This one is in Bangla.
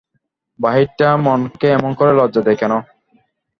বাহিরটা মনকে এমন করে লজ্জা দেয় কেন?